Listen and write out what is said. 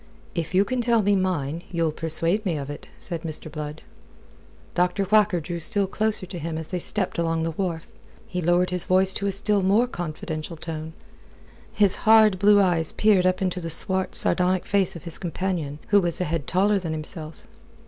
"If you can tell me mine, you'll persuade me of it," said Mr. Blood. Dr. Whacker drew still closer to him as they stepped along the wharf. He lowered his voice to a still more confidential tone. His hard blue eyes peered up into the swart, sardonic face of his companion, who was a head taller than himself.